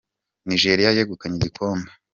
Nigeria yegukanye igikombe